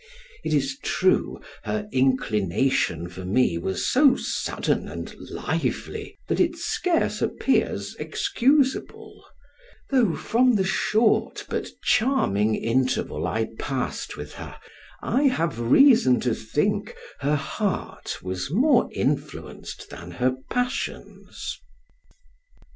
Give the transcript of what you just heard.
It is true, her inclination for me was so sudden and lively, that it scarce appears excusable; though from the short, but charming interval I passed with her, I have reason to think her heart was more influenced than her passions.